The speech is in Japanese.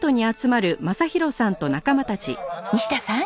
西田さん。